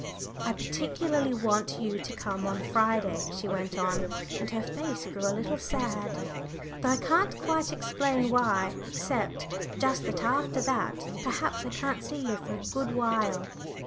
"I particularly want you to come on Friday," she went on, and her face grew a little sad, "though I can't quite explain why except just that after that perhaps I can't see you for a good while."